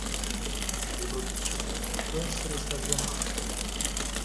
La riproduzione può essere stagionale.